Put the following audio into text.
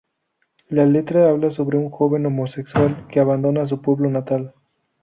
La letra habla sobre un joven homosexual que abandona su pueblo natal.